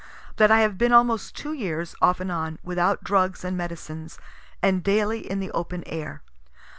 That I have been almost two years, off and on, without drugs and medicines, and daily in the open air.